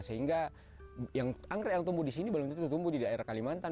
sehingga yang anggrek yang tumbuh di sini belum tentu tumbuh di daerah kalimantan